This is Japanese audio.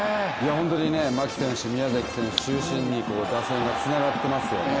本当に牧選手、宮崎選手中心に打線がつながってますよね。